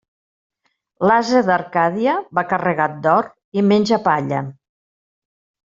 L'ase d'Arcàdia, va carregat d'or i menja palla.